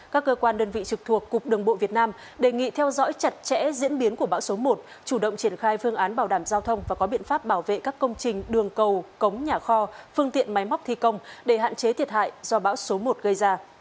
các cơ quan đơn vị trực thuộc cục đường bộ việt nam đề nghị theo dõi chặt chẽ diễn biến của bão số một chủ động triển khai phương án bảo đảm giao thông và có biện pháp bảo vệ các công trình đường cầu cống nhà kho phương tiện máy móc thi công để hạn chế thiệt hại do bão số một gây ra